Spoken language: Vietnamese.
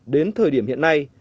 đến thời điểm hiện nay